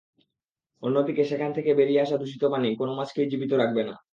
অন্যদিকে, সেখান থেকে বেরিয়ে আসা দূষিত পানি কোনো মাছকেই জীবিত রাখবে না।